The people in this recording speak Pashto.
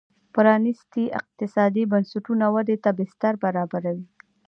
پرانیستي اقتصادي بنسټونه ودې ته بستر برابروي.